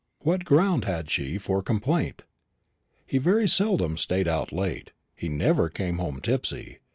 What ground had she for complaint? He very seldom stayed out late; he never came home tipsy.